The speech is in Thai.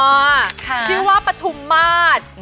ชื่อว่าปฐุมมาตร